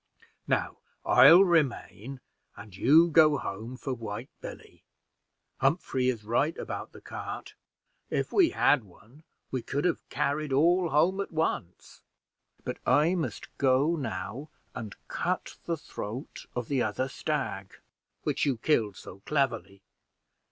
Now, I'll remain, and you go home for White Billy. Humphrey is right about the cart. If we had one, we could have carried all home at once; but I must go now and cut the throat of the other stag which you killed so cleverly.